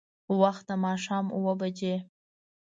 وخت د ماښام اوبه بجې.